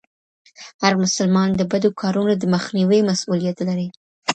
هر مسلمان د بدو کارونو د مخنيوي مسئوليت لري.